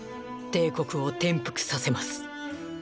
帝国を転覆させます。